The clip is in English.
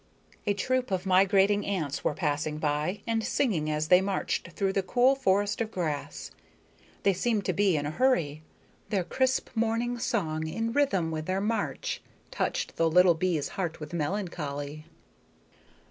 A troop of migrating ants were passing by, and singing as they marched through the cool forest of grass. They seemed to be in a hurry. Their crisp morning song, in rhythm with their march, touched the little bee's heart with melancholy.